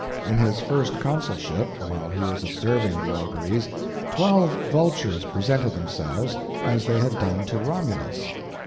In his first consulship, while he was observing the auguries, twelve vultures presented themselves, as they had done to Romulus.